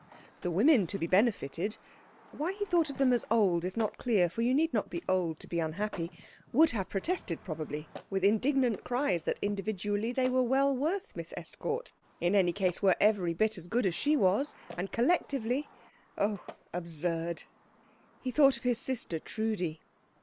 The women to be benefited why he thought of them as old is not clear, for you need not be old to be unhappy would have protested, probably, with indignant cries that individually they were well worth Miss Estcourt, in any case were every bit as good as she was, and collectively oh, absurd. He thought of his sister Trudi.